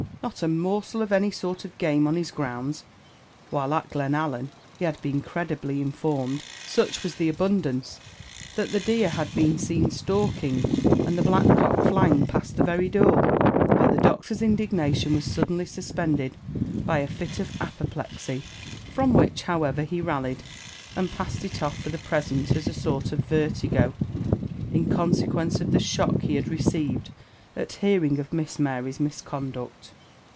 Not a morsel of any sort of game on his grounds; while at Glenallan, he had been credibly informed, such was the abundance that the deer had been seen stalking and the black cock flying past the very door! But the Doctor's indignation was suddenly suspended by a fit of apoplexy; from which, however, he rallied, and passed it off for the present as a sort of vertigo, in consequence of the shock he had received at hearing of Miss Mary's misconduct.